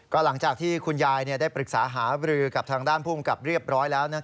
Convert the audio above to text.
หลังจากที่คุณยายได้ปรึกษาหาบรือกับทางด้านภูมิกับเรียบร้อยแล้ว